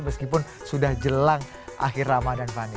meskipun sudah jelang akhir ramadan fani